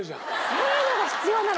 「せーの」が必要なの？